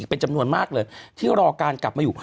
เป็นจำนวนมากเลยที่รอการกลับมาอยู่